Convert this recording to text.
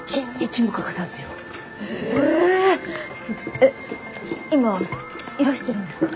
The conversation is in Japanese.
えっ今いらしてるんですか？